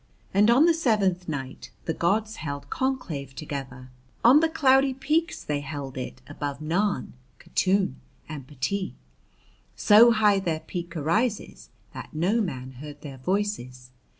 And on the seventh night the gods held conclave together, on the cloudy peaks they held it, above Narn, Ktoon, and Pti. So high their peak arises that no man heard their voices.